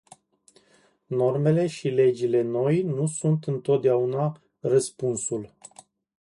Normele și legile noi nu sunt întotdeauna răspunsul.